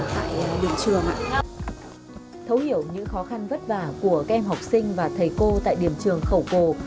tại điểm trường thấu hiểu những khó khăn vất vả của các em học sinh và thầy cô tại điểm trường khẩu cô